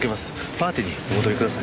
パーティーにお戻りください。